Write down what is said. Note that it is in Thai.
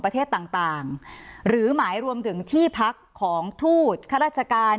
ประเทศต่างหรือหมายรวมถึงที่พักของทูตข้าราชการ